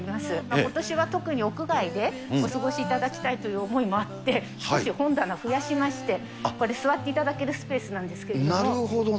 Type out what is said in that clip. ことしは特に屋外でお過ごしいただきたいという思いもあって、少し本棚増やしまして、これ座っていただけるスペースなんですけなるほど。